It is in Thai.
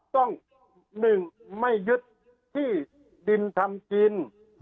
ต้องหนึ่งไม่ยึดที่ดินทำจีน